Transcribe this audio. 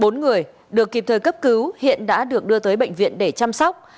bốn người được kịp thời cấp cứu hiện đã được đưa tới bệnh viện để chăm sóc